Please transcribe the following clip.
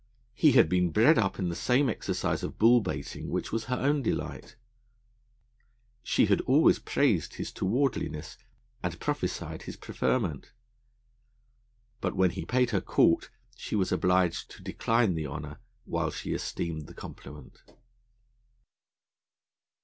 He had been bred up in the same exercise of bull baiting, which was her own delight; she had always praised his towardliness, and prophesied his preferment. But when he paid her court she was obliged to decline the honour, while she esteemed the compliment.